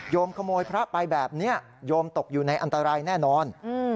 ขโมยพระไปแบบนี้โยมตกอยู่ในอันตรายแน่นอน